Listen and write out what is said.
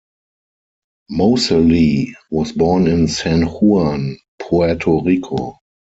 Moseley was born in San Juan, Puerto Rico.